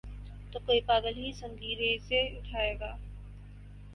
تو کوئی پاگل ہی سنگریزے اٹھائے گا۔